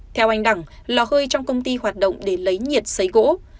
theo anh đẳng lò hơi trong công ty hoạt động để lấy nhiệt xấy gỗ